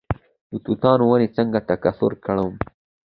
د توتانو ونې څنګه تکثیر کړم؟